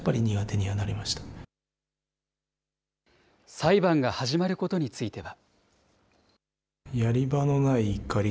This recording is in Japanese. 裁判が始まることについては。